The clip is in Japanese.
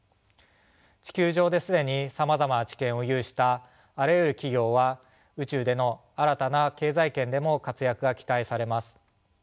地球上で既にさまざまな知見を有したあらゆる企業は宇宙での新たな経済圏でも活躍が期待されます。